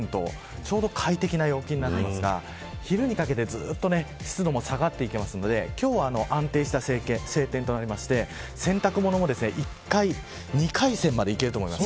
ちょうど快適な陽気になっていますが昼にかけて、ずっと湿度も下がっていくので今日は安定した晴天となりまして洗濯物も、１回、２回戦までいけると思います。